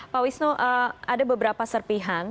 pak wisnu ada beberapa serpihan